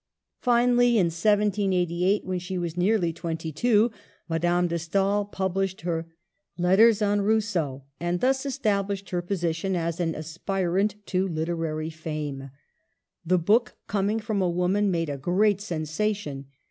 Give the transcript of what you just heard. Finally, in 1788, when she was nearly twenty two, Madame de Stael published her Letters on Rousseau, and thus established her position as an aspirant to literary fame. The book, coming from a woman, made a great sensation.